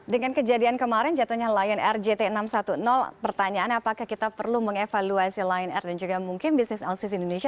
dengan kejadian kemarin jatuhnya lion air jt enam ratus sepuluh pertanyaan apakah kita perlu mengevaluasi lion air dan juga mungkin bisnis alsis indonesia